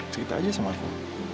cerita aja sama aku